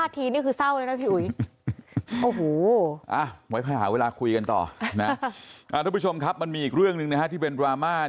ทุกผู้ชมครับมันมีอีกเรื่องหนึ่งที่เป็นดราม่า